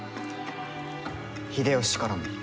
秀吉からも。